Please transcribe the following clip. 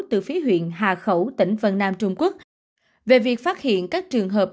từ phía huyện hà khẩu tỉnh vân nam trung quốc về việc phát hiện các trường hợp